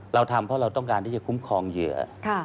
เราทำเพราะเราต้องการที่จะคุ้มครองเหยื่อ